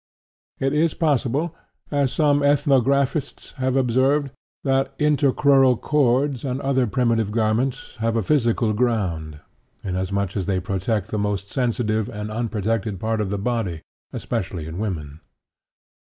It is possible, as some ethnographists have observed, that intercrural cords and other primitive garments have a physical ground, inasmuch as they protect the most sensitive and unprotected part of the body, especially in women.